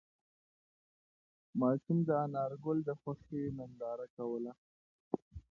ماشوم د انارګل د خوښۍ ننداره کوله.